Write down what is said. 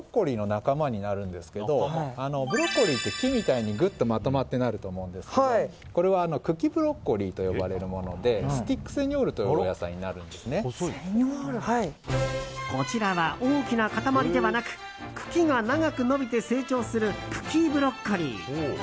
ブロッコリーって木みたいにぐっとまとまってなると思うんですけどこれは茎ブロッコリーと呼ばれるものでスティックセニョールというこちらは、大きな塊ではなく茎が長く伸びて成長する茎ブロッコリー。